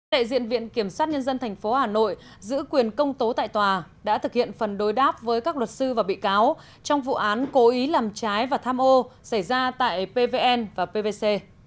đại diện viện kiểm sát nhân dân tp hà nội giữ quyền công tố tại tòa đã thực hiện phần đối đáp với các luật sư và bị cáo trong vụ án cố ý làm trái và tham ô xảy ra tại pvn và pvc